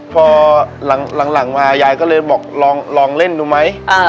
พอหลังมายายก็เลยบอกลองเล่นดูไหม